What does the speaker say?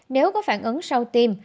nếu có phản ứng sau tiêm